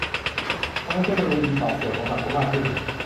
ทำให้เทคโนโลยีตอบโจทย์ของสังคมมากขึ้น